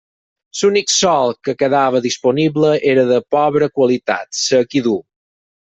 L'únic sòl que quedava disponible era de pobre qualitat, sec i dur.